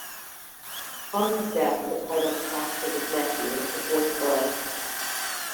On his death the titles passed to his nephew, the fourth Earl.